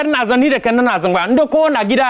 สวัสดีครับสวัสดีครับ